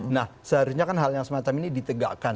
nah seharusnya kan hal yang semacam ini ditegakkan